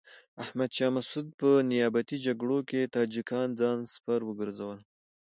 احمد شاه مسعود په نیابتي جګړه کې تاجکان ځان سپر وګرځول.